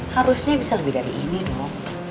harusnya bisa lebih dari ini dong